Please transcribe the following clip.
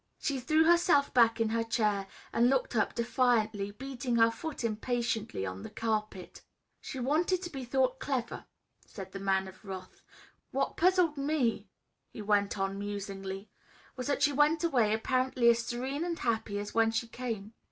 She threw herself back in her chair and looked up defiantly, beating her foot impatiently on the carpet. "She wanted to be thought clever," said the Man of Wrath. "What puzzled me," he went on musingly, "was that she went away apparently as serene and happy as when she came.